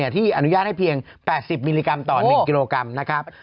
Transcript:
ที่อนุญาตให้เพียง๘๐มิลลิกรัมต่อ๑กิโลกรัมนะครับ